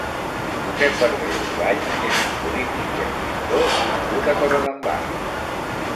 Josep Bargalló i Valls és un polític i escriptor nascut a Torredembarra.